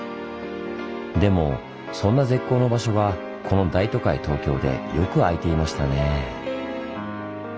でもそんな絶好の場所がこの大都会東京でよく空いていましたねぇ。